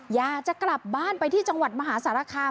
อยากจะกลับบ้านไปที่จังหวัดมหาสารคาม